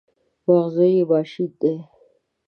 مغزونه یې ماشیني دي.